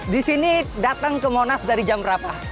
di sini datang ke monas dari jam berapa